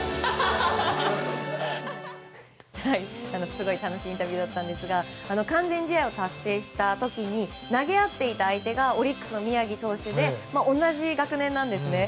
すごい楽しいインタビューだったんですが完全試合を達成した時投げ合っていた相手がオリックスの宮城投手で同じ学年なんですね。